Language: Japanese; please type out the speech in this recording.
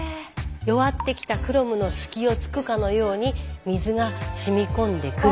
弱ってきたクロムの隙をつくかのように水がしみ込んでくる。